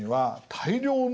大量の？